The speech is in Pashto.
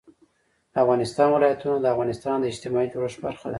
د افغانستان ولايتونه د افغانستان د اجتماعي جوړښت برخه ده.